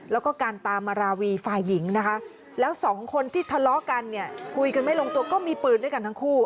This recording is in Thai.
แล้วก็การตามมาราวีฝ่ายหญิงนะคะแล้วสองคนที่ทะเลาะกันเนี่ยคุยกันไม่ลงตัวก็มีปืนด้วยกันทั้งคู่